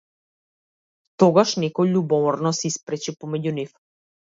Тогаш некој љубоморно се испречи помеѓу нив.